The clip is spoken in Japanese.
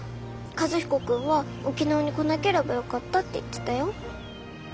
和彦君は沖縄に来なければよかったって言ってたよ。